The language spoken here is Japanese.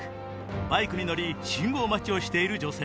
バイクに乗り信号待ちをしている女性。